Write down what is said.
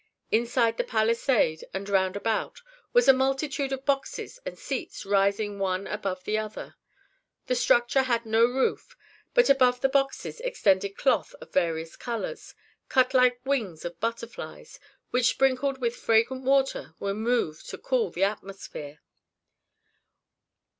Inside the palisade, and round about, was a multitude of boxes and seats rising one above the other. The structure had no roof, but above the boxes extended cloth of various colors, cut like wings of butterflies, which, sprinkled with fragrant water, were moved to cool the atmosphere.